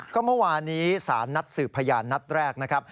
ก็เมื่อวานี้ศาลวิญญาณนัดสืบพยานนัดแรก